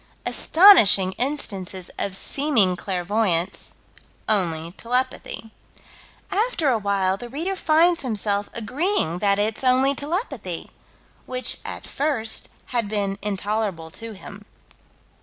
Astonishing instances of seeming clairvoyance "only telepathy." After a while the reader finds himself agreeing that it's only telepathy which, at first, had been intolerable to him.